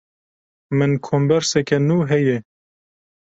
Min komberseke nû heye.